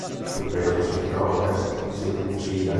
Ripresosi, Crocker si uccide.